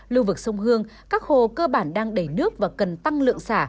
lưu vực sông hương các hồ cơ bản đang đầy nước và cần tăng lượng xả